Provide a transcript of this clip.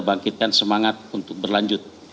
bangkitkan semangat untuk berlanjut